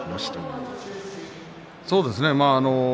そうですね。